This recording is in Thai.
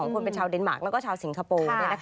คนเป็นชาวเดนมาร์กแล้วก็ชาวสิงคโปร์